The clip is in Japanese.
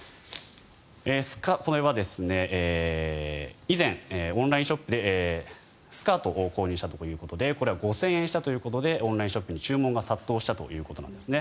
これは以前オンラインショップでスカートを購入したということでこれは５０００円したということでオンラインショップに注文が殺到したということなんですね。